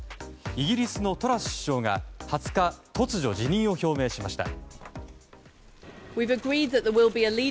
イギリスのトラス首相が２０日突如、辞任を表明しました。